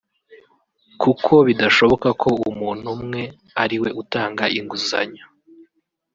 kuko bidashoboka ko umuntu umwe ari we utanga inguzanyo